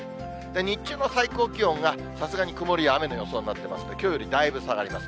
日中の最高気温が、さすがに曇りや雨の予想になってますんで、きょうよりだいぶ下がります。